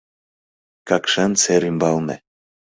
Какшан сер ӱмбалне.